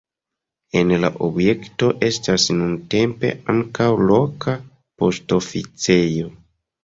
En la objekto estas nuntempe ankaŭ loka poŝtoficejo.